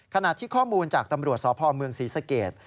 ขณะที่ข้อมูลจากตำรวจสพเมืองศรีสเกต